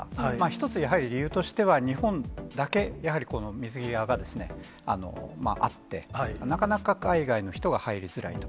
一つ、理由としてはやはり日本だけ、やはりこの水際があって、なかなか海外の人が入りづらいと。